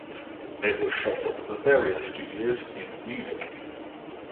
It was shot at the Bavaria Studios in Munich.